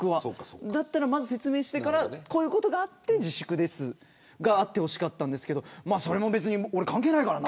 だったらまず、説明してからこういうことがあって自粛ですがあってほしかったんですけどそれも別に俺、関係ないからな。